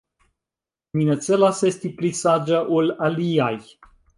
Mi ne celas esti pli saĝa ol aliaj.